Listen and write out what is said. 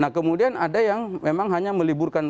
nah kemudian ada yang memang hanya meliburkan